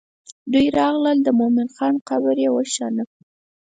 دوی راغلل د مومن خان قبر یې وشان.